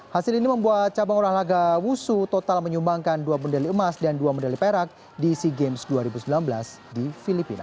hasil ini membuat cabang olahraga wusu total menyumbangkan dua medali emas dan dua medali perak di sea games dua ribu sembilan belas di filipina